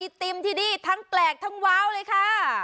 ติมที่นี่ทั้งแปลกทั้งว้าวเลยค่ะ